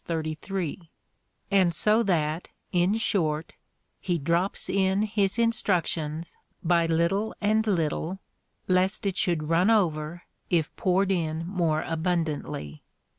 33,) and so that, in short, he drops in his instructions by little and little,^ lest it should run over, if poured in more abundantly.